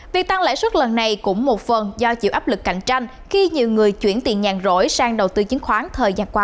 việc tăng lãi suất lần này cũng một phần do chịu áp lực cạnh tranh khi nhiều người chuyển tiền nhàn rỗi sang đầu tư chứng khoán thời gian qua